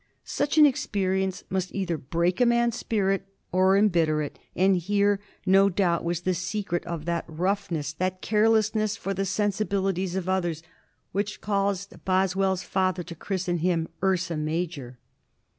Such an experience must either break a man's spirit or embitter it, and here, no doubt, was the secret of that roughness, that carelessness for the sensibilities of others, which caused Boswell's father to christen him "Ursa Major."